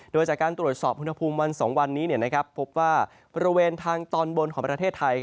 โดยจากการตรวจสอบอุณหภูมิวัน๒วันนี้พบว่าบริเวณทางตอนบนของประเทศไทย